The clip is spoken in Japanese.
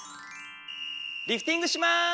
リフティングします！